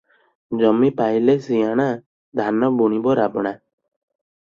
"ଜମି ପାଇଲେ ସିଆଣା, ଧାନ ବୁଣିବ ରାବଣା ।